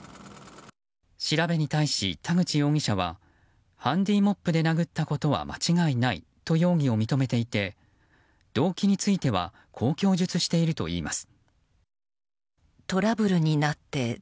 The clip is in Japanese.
調べに対し田口容疑者はハンディーモップで殴ったことは間違いないと容疑を認めていて動機についてはこう供述しているといいます。